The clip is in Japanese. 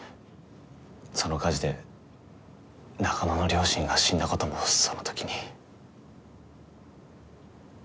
その火事で中野の両親が死んだ事もその時に。